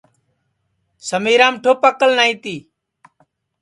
سمیرام ٹُھپ اکل ٻاڑِ نائی تی